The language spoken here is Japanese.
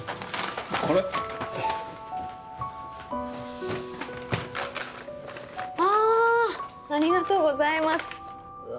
これああありがとうございますうわ